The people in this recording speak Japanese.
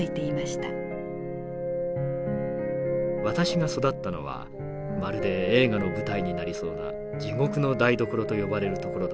「私が育ったのはまるで映画の舞台になりそうな地獄の台所と呼ばれる所だった。